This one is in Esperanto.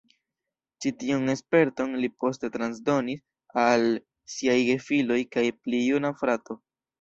Ĉi tiun sperton li poste transdonis al siaj gefiloj kaj pli juna frato.